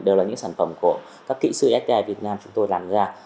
đều là những sản phẩm của các kỹ sư si việt nam chúng tôi làm ra